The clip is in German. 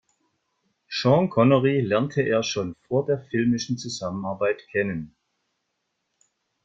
Sean Connery lernte er schon vor der filmischen Zusammenarbeit kennen.